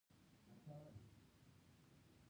سلام استاده نن موږ کوم نوی درس پیلوو